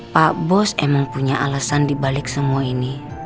pak bos emang punya alasan dibalik semua ini